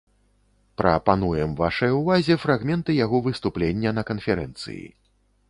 Пра пануем вашай увазе фрагменты яго выступлення на канферэнцыі.